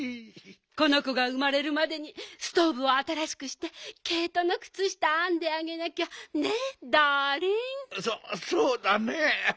このこがうまれるまでにストーブをあたらしくしてけいとのくつしたあんであげなきゃ。